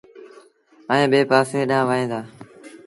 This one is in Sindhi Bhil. ائيٚݩ ٻي پآسي ڏآنهن وهيݩ دآ۔